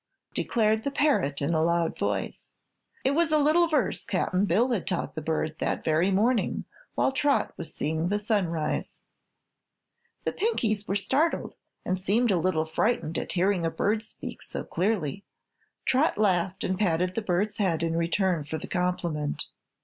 declared the parrot in a loud voice. It was a little verse Cap'n Bill had taught the bird that very morning, while Trot was seeing the sun rise. The Pinkies were startled and seemed a little frightened at hearing a bird speak so clearly. Trot laughed and patted the bird's head in return for the compliment.